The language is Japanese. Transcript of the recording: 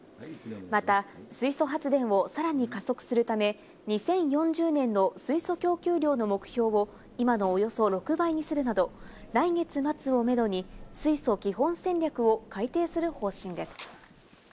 また、水素発電をさらに加速するため、２０４０年の水素供給量の目標を今のおよそ６倍にするなど、来月末をめどに水素基本戦略を改定する方針です。